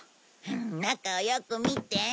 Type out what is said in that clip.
中をよく見て。